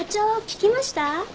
聞きました？